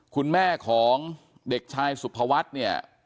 คุณแม่ของเด็กชายสุภวัฒน์เนี่ย